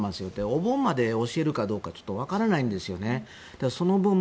お盆まで教えるかどうかは分からないんですよね。